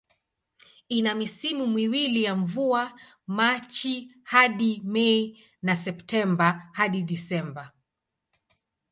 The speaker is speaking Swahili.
Ina misimu miwili ya mvua, Machi hadi Mei na Septemba hadi Disemba.